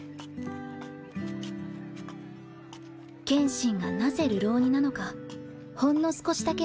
剣心がなぜ流浪人なのかほんの少しだけ分かった気がする